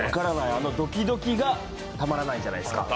あのドキドキが楽しいじゃないですか。